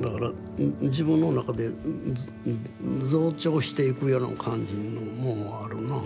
だから自分の中で増長していくような感じのもんはあるなあ。